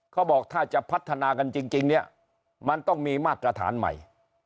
เขาบอกถ้าจะพัฒนากันจริงเนี่ยมันต้องมีมาตรฐานใหม่